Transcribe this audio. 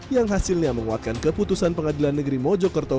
yang hasilnya menguatkan keputusan pengadilan negeri mojokerto